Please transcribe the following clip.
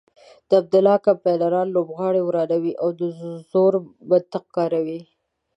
د عبدالله کمپاینران لوبغالی ورانوي او د زور منطق کاروي.